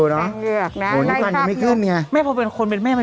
นี่เขาเรียกแปลงเหงือก